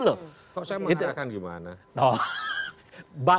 kok saya mengarahkan gimana